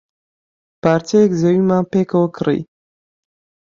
پارچەیەک زەویمان پێکەوە کڕی.